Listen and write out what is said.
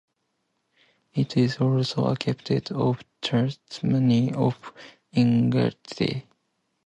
It is also an aspect of the Testimony of Integrity.